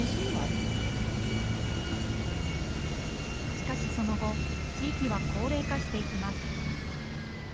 しかし、その後、地域は高齢化していきます。